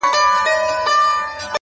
زيرى د ژوند!!